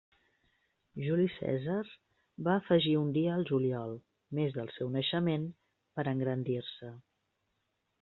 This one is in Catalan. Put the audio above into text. Juli Cèsar va afegir un dia al juliol, mes del seu naixement, per engrandir-se.